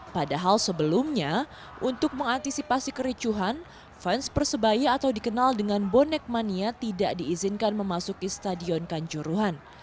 padahal sebelumnya untuk mengantisipasi kericuhan fans persebaya atau dikenal dengan bonek mania tidak diizinkan memasuki stadion kanjuruhan